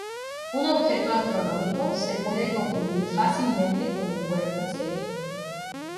Un objeto astronómico se puede confundir fácilmente con un cuerpo celeste.